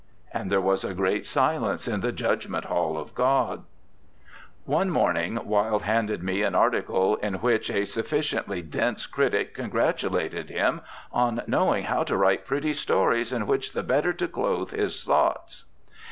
'And there was a great silence in the Judgment Hall of God.' One morning Wilde handed me an article in which a sufficiently dense critic congratulated him on 'knowing how to write pretty stories in which the better to clothe his thoughts.'